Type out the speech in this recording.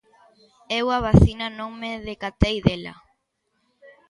Eu a vacina non me decatei dela.